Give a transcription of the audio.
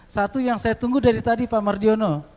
satu yang saya tunggu dari tadi pak mardiono